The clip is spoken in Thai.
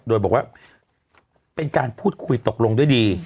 โดยบอกว่าเป็นการพูดคุยตกลงด้วยดี